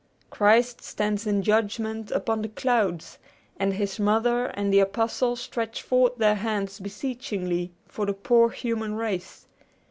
Christ stands in judgment upon the clouds, and his Mother and the Apostles stretch forth their hands beseechingly for the poor human race.